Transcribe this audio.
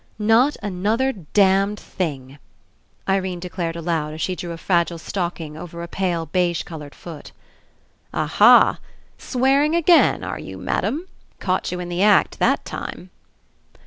"Not another damned thing!" Irene de 90 RE ENCOUNTER clared aloud as she drew a fragile stocking over a pale beige coloured foot. "Aha ! Swearing again, are you, madam ? Caught you in the act that time."